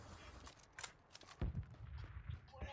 wa lugha ya kiswahili Kujishughulisha na ukuzaji wa